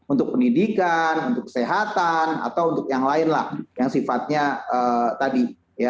untuk pendidikan untuk kesehatan atau untuk yang lain lah yang sifatnya tadi